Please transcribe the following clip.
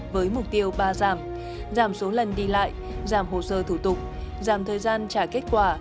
với mục tiêu ba giảm giảm số lần đi lại giảm hồ sơ thủ tục giảm thời gian trả kết quả